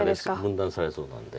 分断されそうなんで。